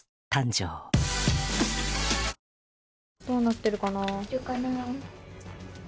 どうなってるかな。